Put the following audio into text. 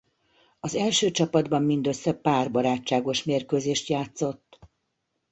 Az első csapatban mindössze pár barátságos mérkőzést játszott.